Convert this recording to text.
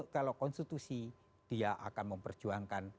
kalau konstitusi dia akan memperjuangkan